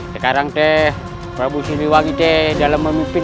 sekarang prabu sidiwagi dalam memimpin